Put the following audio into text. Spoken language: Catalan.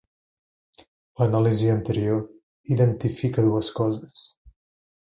L'anàlisi anterior identifica dues coses.